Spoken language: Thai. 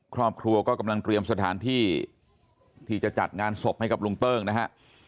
ครอบครัวก็กำลังเตรียมสถานที่ที่จะจัดงานศพให้กับลุงเติ้งนะฮะ